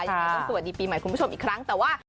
แล้วก็สวัสดีปีใหม่คุณผู้ชมอีกครั้ง